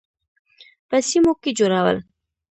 په سیمو کې جوړول.